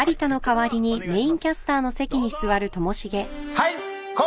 はい！